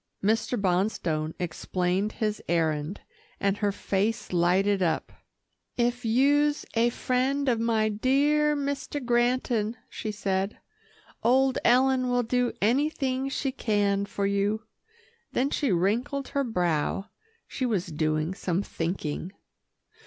Mr. Bonstone explained his errand, and her face lighted up. "If you'se a friend of my dear Mister Granton," she said, "old Ellen will do anything she can for you." Then she wrinkled her brow. She was doing some thinking.